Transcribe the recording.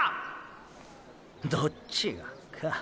どっちがか。